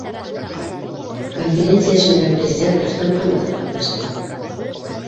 Конференция эшендә Президент Рөстәм Хәмитов ҡатнашты.